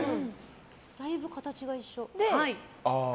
だいぶ形が一緒。